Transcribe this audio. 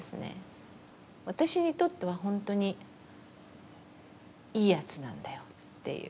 私にとっては本当にいいやつなんだよっていう。